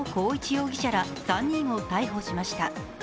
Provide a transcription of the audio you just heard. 容疑者ら３人を逮捕しました。